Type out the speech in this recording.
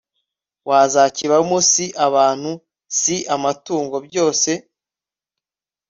wuzakibamo si abantu si amatungo byose